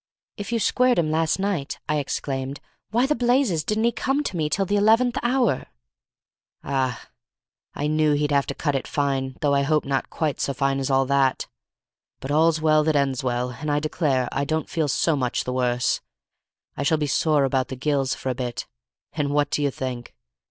"If you squared him last night," I exclaimed, "why the blazes didn't he come to me till the eleventh hour?" "Ah, I knew he'd have to cut it fine though I hoped not quite so fine as all that. But all's well that ends well, and I declare I don't feel so much the worse. I shall be sore about the gills for a bit—and what do you think?"